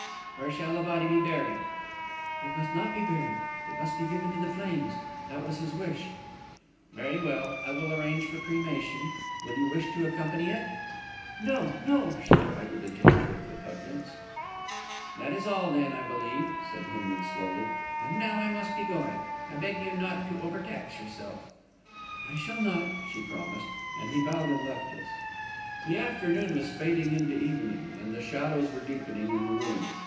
"Where shall the body be buried?" "It must not be buried. It must be given to the flames. That was his wish." "Very well. I will arrange for cremation. Will you wish to accompany it?" "No, no!" she cried, with a gesture of repugnance. "That is all, then, I believe," said Hinman slowly. "And now I must be going. I beg you not to overtax yourself." "I shall not," she promised, and he bowed and left us. The afternoon was fading into evening, and the shadows were deepening in the room.